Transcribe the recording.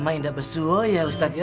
lama tidak bersuai ya ustadz ya